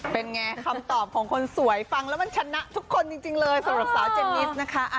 เป็นไงคำตอบของคนสวยฟังแล้วมันชนะทุกคนจริงเลยสำหรับสาวเจนนิสนะคะ